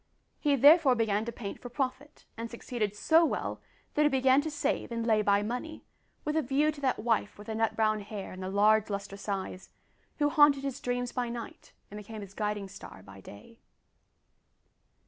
He therefore began to paint for profit, and succeeded so well that he began to save and lay by money, with a view to that wife with the nut brown hair and the large lustrous eyes, who haunted his dreams by night and became his guiding star by day.